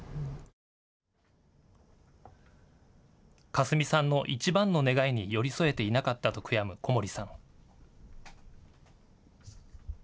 香澄さんのいちばんの願いに寄り添えていなかったと悔やむ小森さん。